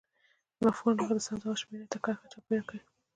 د مفهوم له مخې د سم ځواب شمیرې ته کرښه چاپېر کړئ.